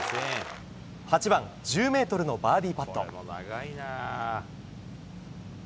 ８番、１０ｍのバーディーパット。